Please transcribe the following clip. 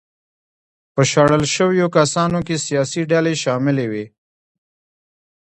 په شړل شویو کسانو کې سیاسي ډلې شاملې وې.